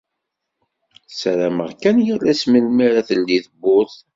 Ssarameɣ kan yal ass melmi ara teldi tewwurt.